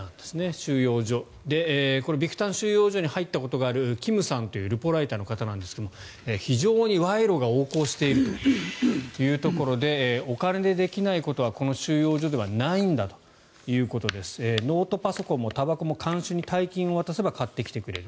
収容所、これはビクタン収容所に入ったことがあるキムさんというルポライターの方ですが非常に賄賂が横行しているということでお金でできないことはこの収容所ではないんだということでノートパソコンもたばこも看守に大金を渡せば買ってきてくれる。